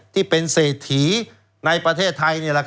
ที่เป็นเศรษฐีในประเทศไทย